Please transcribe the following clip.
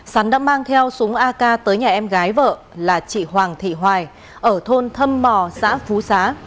sắn đã mang theo súng ak tới nhà em gái vợ là chị hoàng thị hoài ở thôn thâm mò xã phú xá